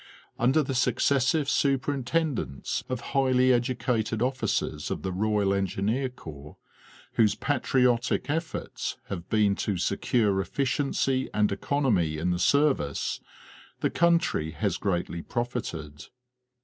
Under the successive superintendence of highly educated officers of the Royal Engineer Corps, whose patriotic efforts have been to secure efficiency and economy in the service, the country has greatly profited.